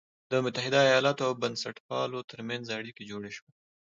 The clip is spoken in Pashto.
د متحدو ایالتونو او بنسټپالو تر منځ اړیکي جوړ شول.